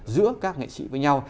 giữa các nghệ sĩ với nhau